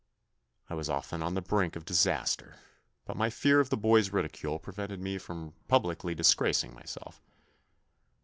I was often on the brink of disaster, but my fear of the boys' ridicule prevented me from publicly disgracing my self.